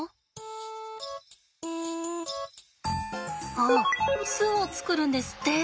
ああ巣を作るんですって。